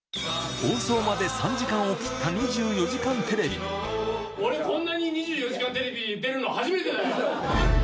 放送まで３時間を切った２４俺、こんなに２４時間テレビ出るの初めてだよ。